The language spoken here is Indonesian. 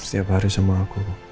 setiap hari sama aku